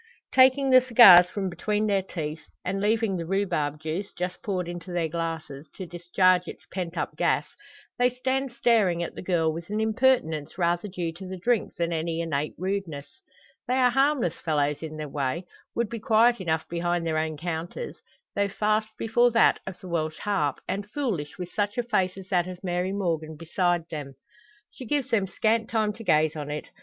Taking the cigars from between their teeth and leaving the rhubarb juice, just poured into their glasses, to discharge its pent up gas they stand staring at the girl, with an impertinence rather due to the drink than any innate rudeness. They are harmless fellows in their way; would be quiet enough behind their own counters; though fast before that of the "Welsh Harp," and foolish with such a face as that of Mary Morgan beside them. She gives them scant time to gaze on it.